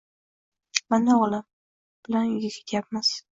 Mana, o`g`lim bilan uyga ketayapmiz